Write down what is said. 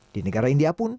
di negara india pun